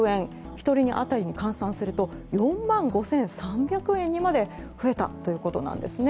１人当たりに換算すると４万５３００円にまで増えたということなんですね。